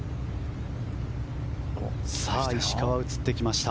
石川、映ってきました。